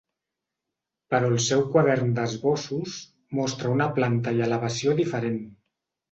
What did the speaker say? Però el seu quadern d'esbossos mostra una planta i elevació diferent.